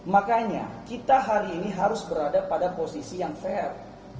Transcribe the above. makanya kita hari ini harus berada pada posisi yang fair